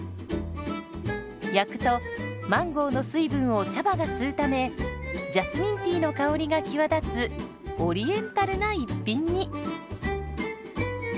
焼くとマンゴーの水分を茶葉が吸うためジャスミンティーの香りが際立つオリエンタルな一品に。